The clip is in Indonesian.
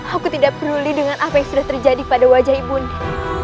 aku tidak peduli dengan apa yang sudah terjadi pada wajah ibunda